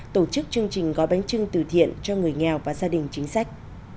tổ chức chương trình gói bánh trưng từ thiện cho người nghèo và gia đình chính sách